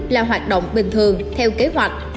là hoạt động bình thường theo kế hoạch